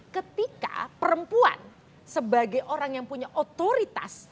ketika perempuan sebagai orang yang punya otoritas